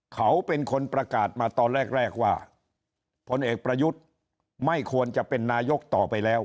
เขาเป็นคนประกาศมาตอนแรกว่าพลเอกประยุทธ์ไม่ควรจะเป็นนายกต่อไปแล้ว